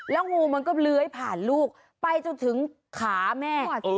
แล้วงูมันก็เลื้อยผ่านลูกไปจนถึงขาแม่